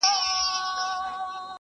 آيا فکري بډاينه پر مادي پرمختګ اغېز کوي؟